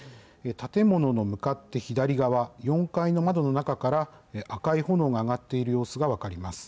建物の向かって左側、４階の窓の中から赤い炎が上がっている様子が分かります。